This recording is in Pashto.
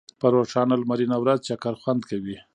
په روښانه لمرینه ورځ چکر خوند کوي.